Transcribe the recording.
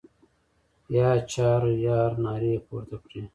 یا چهاریار نارې پورته کړې.